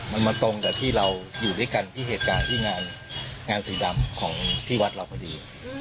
มันมาตรงกับที่เราอยู่ด้วยกันที่เหตุการณ์ที่งานสีดำของที่วัดเราพอดี